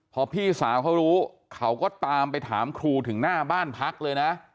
พอพี่สาวเขารู้เขาก็ตามไปถามครูถึงหน้าบ้านพักเลยนะ